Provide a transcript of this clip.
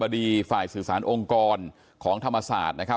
ทางรองศาสตร์อาจารย์ดรอคเตอร์อัตภสิตทานแก้วผู้ชายคนนี้นะครับ